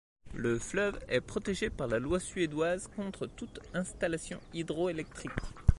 Le fleuve est protégée par la loi suédoise contre toute installation hydroélectrique.